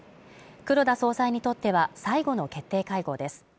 黒田総裁にとっては最後の決定会合です。